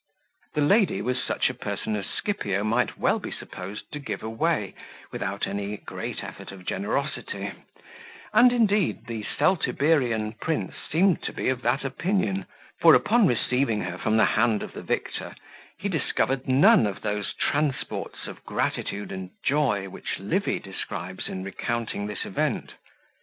The lady was such a person as Scipio might well be supposed to give away, without any great effort of generosity; and indeed the Celtiberian prince seemed to be of that opinion; for, upon receiving her from the hand of the victor, he discovered none of those transports of gratitude and joy which Livy describes in recounting this event.